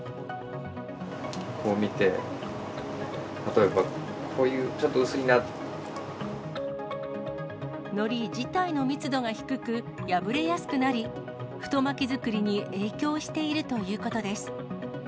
こう見て、例えば、こういう、のり自体の密度が低く、破れやすくなり、太巻き作りに影響しているということです。